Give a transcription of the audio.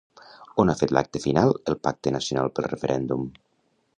On ha fet l'acte final el Pacte Nacional pel Referèndum?